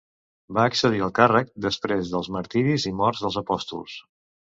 Va accedir al càrrec després dels martiris i morts dels apòstols.